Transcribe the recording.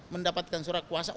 mendapatkan surat kuasa